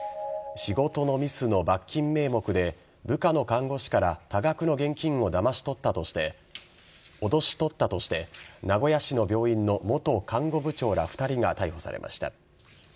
仕事のミスの罰金名目で部下の看護師から多額の現金をおどし取ったとして名古屋市の病院の元看護部長ら２人が逮捕されました。